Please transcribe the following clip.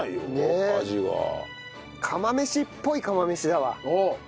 釜飯っぽい釜飯だわ。